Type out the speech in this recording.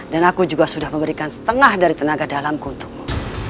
dan aku juga sudah memberikan setengah dari tenaga dalamku untukmu